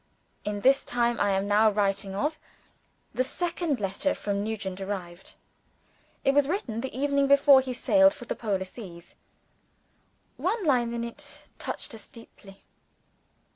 In the time I am now writing of, the second letter from Nugent arrived. It was written the evening before he sailed for the Polar seas. One line in it touched us deeply.